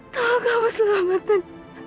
tolong kamu selamatin